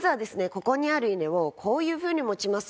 ここにある稲をこういう風に持ちます。